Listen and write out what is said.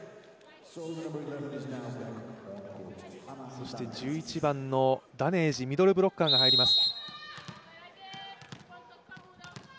そして１１番のダネージ、ミドルブロッカーが入ります。